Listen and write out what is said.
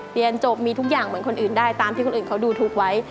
เรียนจบมีทุกอย่างเหมือนคนอื่นได้ตามที่คนอื่นเขาดูทุกข์ไว้